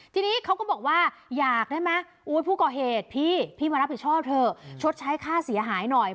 ทีนี้เขาก็บอกว่าอยากได้ไหมผู้ก่อเหตุพี่พี่มารับผิดชอบเถอะชดใช้ค่าเสียหายหน่อย